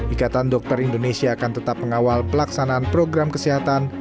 ikatan dokter indonesia akan tetap mengawal pelaksanaan program kesehatan